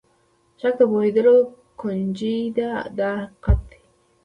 شک د پوهېدلو کونجۍ ده دا حقیقت دی.